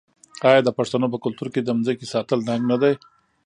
آیا د پښتنو په کلتور کې د ځمکې ساتل ننګ نه دی؟